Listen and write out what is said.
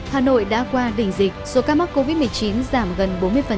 hà nội đã qua đỉnh dịch số ca mắc covid một mươi chín giảm gần bốn mươi